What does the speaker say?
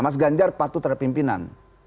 mas ganjar patuh terhadap pimpinan